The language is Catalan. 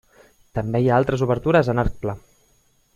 També hi ha altres obertures en arc pla.